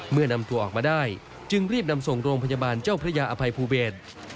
เมื่อนำตัวออกมาได้จึงรีบนำส่งโรงพยาบาลเจ้าพระยาอภัยภูเบศ